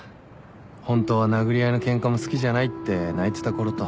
ホントは殴り合いのケンカも好きじゃないって泣いてたころと。